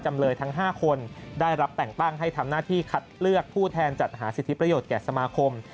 จำเลยทั้ง๕คนได้รับแต่งตั้งให้ทำหน้าที่คัดเลือกผู้แทนจัดหาสิทธิประโยชน์แก่สมาคม